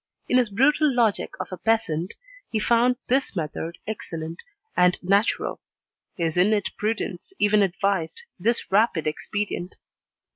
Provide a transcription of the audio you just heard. In his brutal logic of a peasant, he found this method excellent and natural. His innate prudence even advised this rapid expedient.